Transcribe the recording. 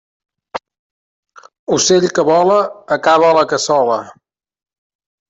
Ocell que vola, acaba a la cassola.